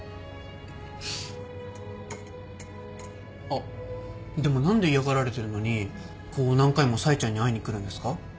あっでも何で嫌がられてるのにこう何回も冴ちゃんに会いに来るんですか？